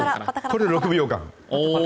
これを６秒間。